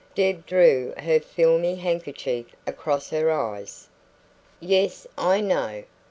Deb drew her filmy handkerchief across her eyes. "Yes, I know."